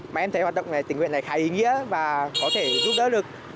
mà em thấy hoạt động về tình nguyện này khá ý nghĩa và có thể giúp đỡ được